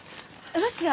ロシア？